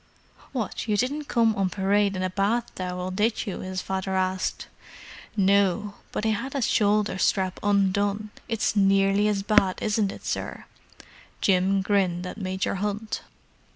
"What, you didn't come on parade in a bath towel, did you?" his father asked. "No, but I had a shoulder strap undone—it's nearly as bad, isn't it, sir?" Jim grinned at Major Hunt.